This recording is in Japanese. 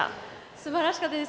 すばらしかったです。